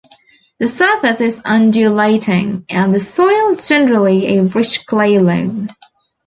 The surface is undulating, and the soil generally a rich clay loam.